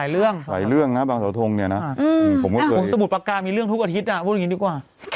เกิดขึ้นนะหลายเรื่องนะบางสวทงค์เนี่ยนะผมก็เคยสมุดปากกามีเรื่องทุกอาทิตย์น่ะพูดอย่างนี้ดีกว่า